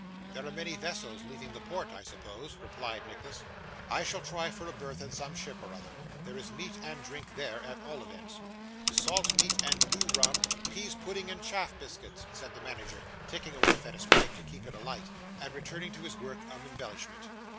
'There are many vessels leaving the port, I suppose,' replied Nicholas. 'I shall try for a berth in some ship or other. There is meat and drink there at all events.' 'Salt meat and new rum; pease pudding and chaff biscuits,' said the manager, taking a whiff at his pipe to keep it alight, and returning to his work of embellishment.